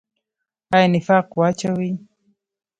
آیا نفاق واچوي؟